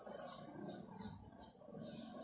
มีเวลาเมื่อเวลาเมื่อเวลา